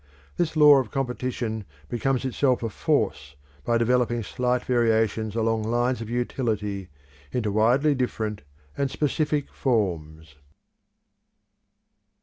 This law of competition becomes itself a force by developing slight variations along lines of utility into widely different and specific forms.